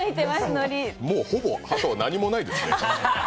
もうほぼ、あとは何もないですね。